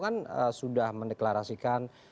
kan sudah mendeklarasikan